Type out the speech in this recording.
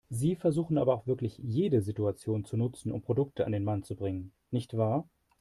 Sie versuchen aber auch wirklich jede Situation zu nutzen, um Produkte an den Mann zu bringen, nicht wahr?